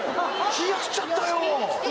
冷やしちゃったよ